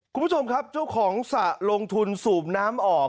คุณผู้ชมครับเจ้าของสระลงทุนสูบน้ำออก